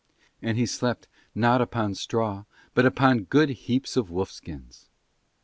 And he slept not upon straw but upon good heaps of wolf skins.